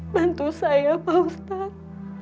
bantu saya pak ustadz